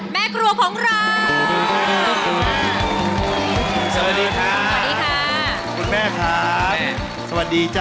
แม่กลัวของเรา